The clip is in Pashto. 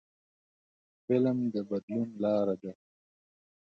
فلم د بدلون لاره ده